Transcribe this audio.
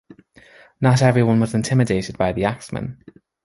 Not everyone was intimidated by the Axeman.